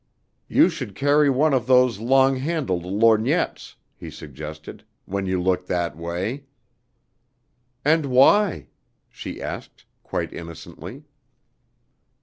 "You should carry one of those long handled lorgnettes," he suggested, "when you look that way." "And why?" she asked quite innocently.